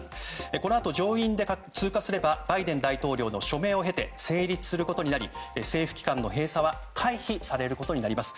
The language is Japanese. このあと上院で通過すればバイデン大統領の署名を経て成立することになり政府機関の閉鎖は回避されることになります。